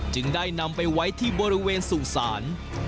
จึงได้นำไปไว้ที่บริเวณสู่ศาล